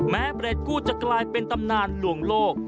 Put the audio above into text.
เบรกกู้จะกลายเป็นตำนานหลวงโลก